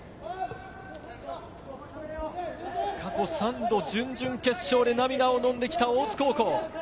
過去３度、準々決勝で涙をのんできた大津高校。